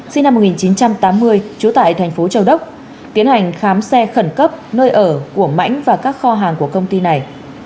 sinh năm một nghìn chín trăm tám mươi trú tại thành phố châu đốc tiến hành khám xét khẩn cấp nơi ở của mãnh và các kho hàng của công ty này